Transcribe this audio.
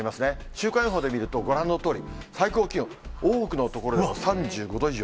週間予報で見ると、ご覧のとおり最高気温、多くの所で３５度以上。